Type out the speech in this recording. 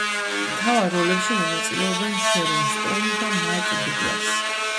მთავარ როლებში მონაწილეობენ შერონ სტოუნი და მაიკლ დუგლასი.